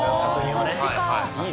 はい。